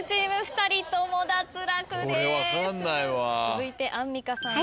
続いてアンミカさん。